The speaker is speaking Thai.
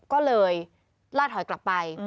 ก็เลยล่าถอยกลับไป